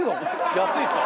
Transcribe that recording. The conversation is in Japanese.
安いですか？